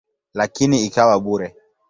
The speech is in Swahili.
Lakini ikawa bure.